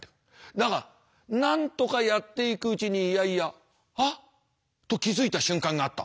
だがなんとかやっていくうちにいやいや「あっ」と気付いた瞬間があった。